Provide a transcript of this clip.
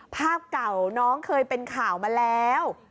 ภาพเก่าน้องเคยเป็นข่าวมาแล้ว